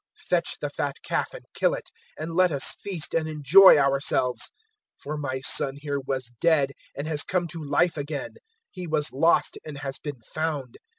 015:023 Fetch the fat calf and kill it, and let us feast and enjoy ourselves; 015:024 for my son here was dead and has come to life again: he was lost and has been found.'